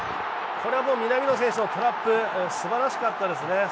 これは南野選手のトラップ、すばらしかったですね。